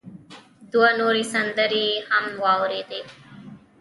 دوه نورې سندرې يې هم واورېدې.